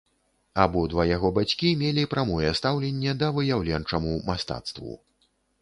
Абодва яго бацькі мелі прамое стаўленне да выяўленчаму мастацтву.